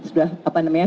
sudah apa namanya